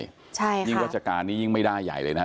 ยิ่งราชการนี้ยิ่งไม่ได้ใหญ่เลยนะ